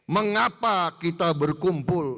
mengapa kita berkumpul